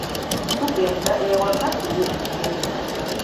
Tugenda ewaka tulye emmere.